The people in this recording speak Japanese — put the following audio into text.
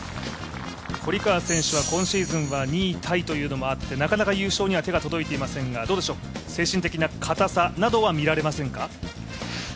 堀川選手は今シーズンは２位タイということもあってなかなか優勝には手が届いていませんが、どうでしょう精神的な、かたさなどは見られませんか？